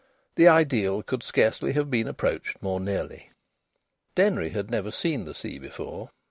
The ideal could scarcely have been approached more nearly. Denry had never seen the sea before.